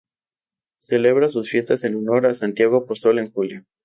Celebra sus fiestas en honor a Santiago Apóstol en julio.